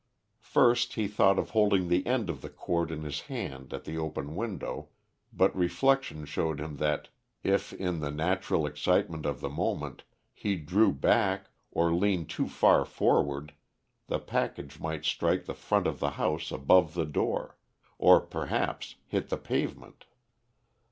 First he thought of holding the end of the cord in his hand at the open window, but reflection showed him that if, in the natural excitement of the moment, he drew back or leant too far forward the package might strike the front of the house above the door, or perhaps hit the pavement.